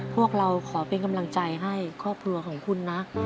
พวกเราขอเป็นกำลังใจให้ครอบครัวของคุณนะ